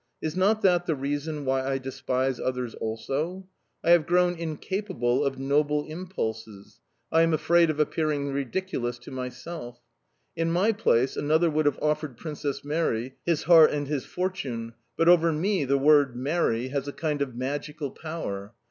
Is not that the reason why I despise others also?... I have grown incapable of noble impulses; I am afraid of appearing ridiculous to myself. In my place, another would have offered Princess Mary son coeur et sa fortune; but over me the word "marry" has a kind of magical power.